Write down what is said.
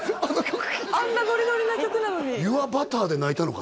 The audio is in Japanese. あんなノリノリな曲なのに？